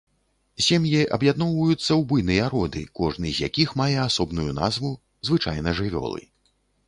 Сем'і аб'ядноўваюцца ў буйныя роды, кожны з якіх мае асобную назву, звычайна жывёлы.